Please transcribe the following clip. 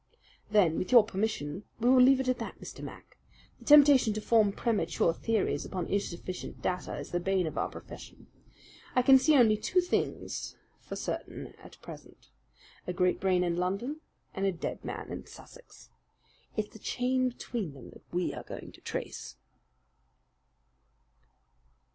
"Then, with your permission, we will leave it at that, Mr. Mac. The temptation to form premature theories upon insufficient data is the bane of our profession. I can see only two things for certain at present a great brain in London, and a dead man in Sussex. It's the chain between that we are going to trace."